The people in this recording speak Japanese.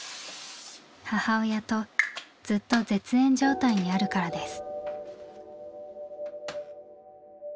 母親とずっと絶縁状態にあるからです。